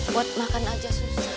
buat makan aja susah